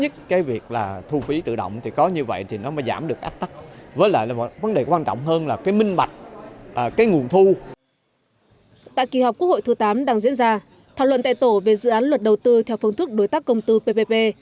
tại kỳ họp quốc hội thứ tám đang diễn ra thảo luận tại tổ về dự án luật đầu tư theo phương thức đối tác công tư ppp